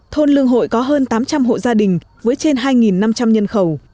thôn lương hội có hơn tám trăm linh hộ gia đình với trên hai năm trăm linh nhân khẩu